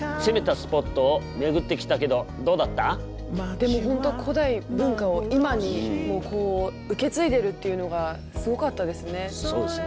でも本当古代文化を今に受け継いでるっていうのがすごかったですね。